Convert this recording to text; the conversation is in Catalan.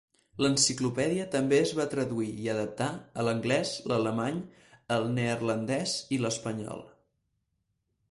L'enciclopèdia també es va traduir i adaptar a l'anglès, l'alemany, el neerlandès i l'espanyol.